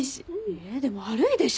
えでも悪いでしょ。